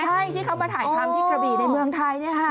ใช่ที่เขามาถ่ายคำที่กระบีในเมืองไทยเนี่ยค่ะ